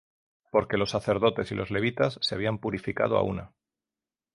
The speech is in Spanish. Porque los sacerdotes y los Levitas se habían purificado á una;